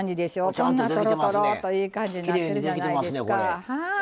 こんな、とろとろっとええ感じになってるじゃないですか。